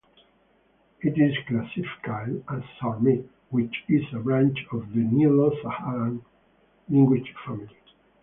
It is classified as Surmic, which is a branch of the Nilo-Saharan language family.